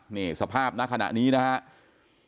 นี่สภาพณขณะนี้นะครับ